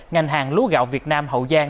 ngành hàng lúa gạo việt nam hậu giang